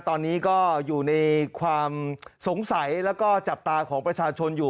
ตอนนี้ก็อยู่ในความสงสัยแล้วก็จับตาของประชาชนอยู่